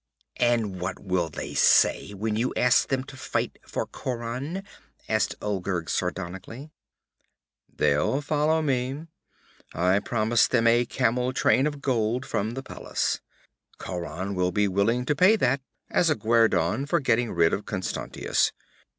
'And what will they say when you ask them to fight for Khauran?' asked Olgerd sardonically. 'They'll follow me. I'll promise them a camel train of gold from the palace. Khauran will be willing to pay that as a guerdon for getting rid of Constantius.